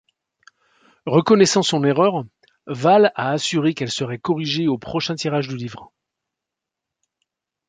Reconnaissant son erreur, Val a assuré qu'elle serait corrigée au prochain tirage du livre.